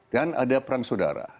dan ada perang sudara